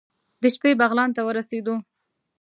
د شپې بغلان ته ورسېدو.